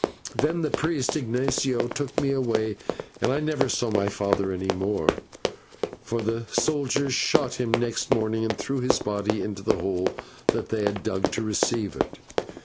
Then the priest Ignatio took me away, and I never saw my father any more, for the soldiers shot him next morning, and threw his body into the hole that they had dug to receive it.